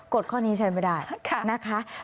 ดข้อนี้ใช้ไม่ได้นะคะ